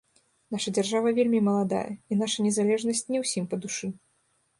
Наша дзяржава вельмі маладая, і наша незалежнасць не ўсім па душы.